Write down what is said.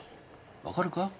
わかるか？